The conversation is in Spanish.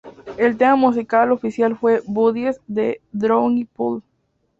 El tema musical oficial fue ""Bodies"" de Drowning Pool.